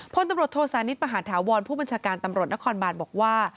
พลตำรวจโทษานิทมหาธาวรผู้บัญชาการตำรวจนครบานบอกว่า